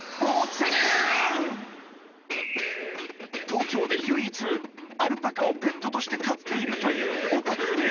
［東京で唯一アルパカをペットとして飼っているというお宅へ］